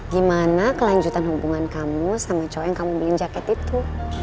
gimana kelanjutan hubungan kamu sama cowok yang kamu beliin jaket itu